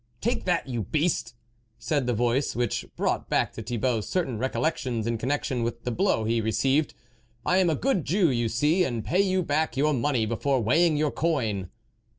" Take that, you beast " said the voice, which brought back to Thibault certain recollections in connection with the blow he received. " I am a good Jew, you see, and pay you back your money before weighing your coin."